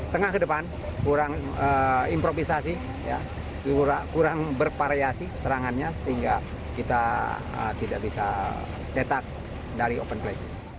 tengah ke depan kurang improvisasi kurang bervariasi serangannya sehingga kita tidak bisa cetak dari open play